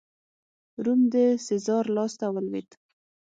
روم د سزار لاسته ولوېد.